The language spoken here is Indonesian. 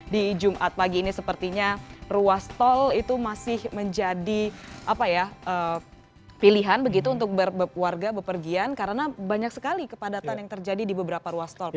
di jumat pagi ini sepertinya ruas tol itu masih menjadi pilihan begitu untuk warga bepergian karena banyak sekali kepadatan yang terjadi di beberapa ruas tol